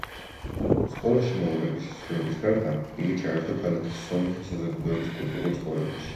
სკოლაში მოვალეობის შესრულების გარდა, იგი ჩაერთო ქალაქის სომეხი საზოგადოების კულტურულ ცხოვრებაში.